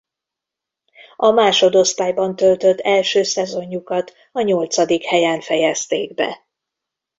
A másodosztályban töltött első szezonjukat a nyolcadik helyen fejezték be.